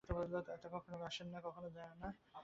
আত্মা কখনও আসেনও না, যানও না।